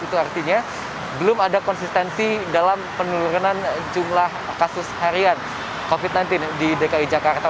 itu artinya belum ada konsistensi dalam penurunan jumlah kasus harian covid sembilan belas di dki jakarta